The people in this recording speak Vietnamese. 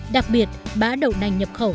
đặc biệt bã đậu nành nhập khẩu